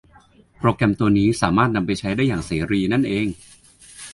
โปรแกรมตัวนี้สามารถนำไปใช้ได้อย่างเสรีนั้นเอง